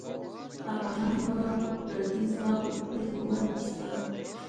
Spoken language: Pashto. افغانان به پردی ځواک له خپل هېواد ایستله.